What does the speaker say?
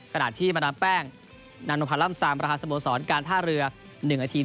ขณะที่บรรณาแป้งนันพรร่ำสามประธานสมสรรค์การท่าเรือ๑อาทิตย์